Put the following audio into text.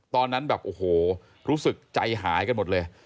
ตอนนั้นแบบโอ้โหรู้สึกใจหายกันหมดเลย